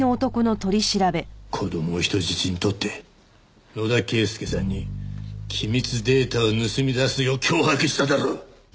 子供を人質にとって野田啓介さんに機密データを盗み出すよう脅迫しただろ！